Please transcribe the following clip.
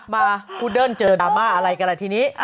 มาภูเดิ้ลเจอธรรมะอะไรกันแหละทีนี้